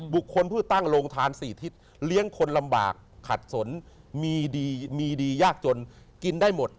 บุคคลผู้ตั้งโรงทาน๔ทิศเลี้ยงคนลำบากขัดสนมีดีมีดียากจนกินได้หมด